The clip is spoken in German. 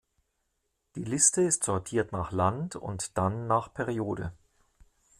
Die Liste ist sortiert nach Land und dann nach Periode.